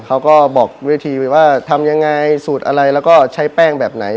เขาก็บอกวิธีไปว่าทำยังไงสูตรอะไรแล้วก็ใช้แป้งแบบไหน